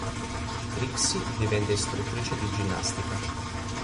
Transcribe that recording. Trixie diventa istruttrice di ginnastica.